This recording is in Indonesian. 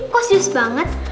kok sedius banget